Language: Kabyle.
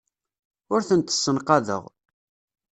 Ur tent-ssenqadeɣ.